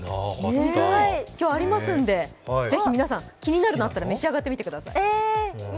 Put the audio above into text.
今日ありますので、ぜひ皆さん気になるものあったら召し上がってみてください。